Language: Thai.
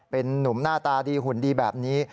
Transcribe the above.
เป็นนุ่มหน้าตาดีหุ่นดีแบบนี้